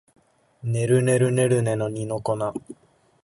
ねるねるねるねの二の粉